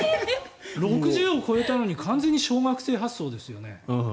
６０歳を超えたのに完全に小学生発想ですよね。